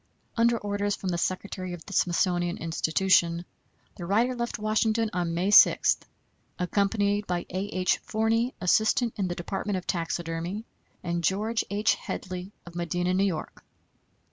Under orders from the Secretary of the Smithsonian Institution, the writer left Washington on May 6, accompanied by A. H. Forney, assistant in the department of taxidermy, and George H. Hedley, of Medina, New York.